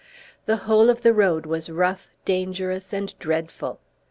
The whole of the road was rough, dangerous, and dreadful.